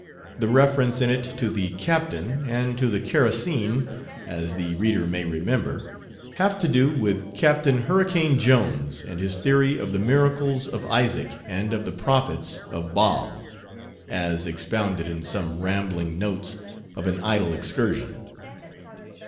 The reference in it to the "captain" and to the kerosene, as the reader may remember, have to do with Captain "Hurricane" Jones and his theory of the miracles of "Isaac and of the prophets of Baal," as expounded in Some Rambling Notes of an Idle Excursion.